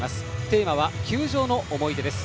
テーマは球場の思い出です。